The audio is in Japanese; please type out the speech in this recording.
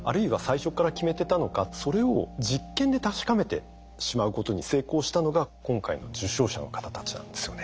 それを実験で確かめてしまうことに成功したのが今回の受賞者の方たちなんですよね。